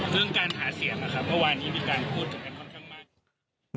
เรื่องการหาเสียงวันนี้มีการคุณคอบคุณค่อนข้างมาก